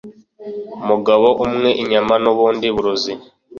umugabo umwe inyama nubundi burozi!